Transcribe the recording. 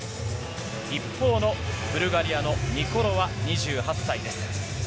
一方のブルガリアのニコロワ２８歳です。